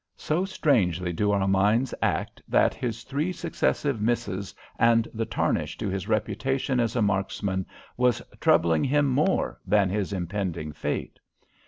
So strangely do our minds act that his three successive misses and the tarnish to his reputation as a marksman was troubling him more than his impending fate.